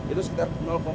itu sekitar dua puluh tiga